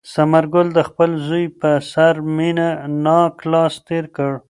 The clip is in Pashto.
ثمر ګل د خپل زوی په سر مینه ناک لاس تېر کړ.